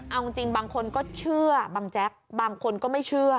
เอาจริงบางคนก็เชื่อบังแจ๊กบางคนก็ไม่เชื่อ